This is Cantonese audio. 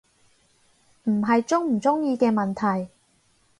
唔係鍾唔鍾意嘅問題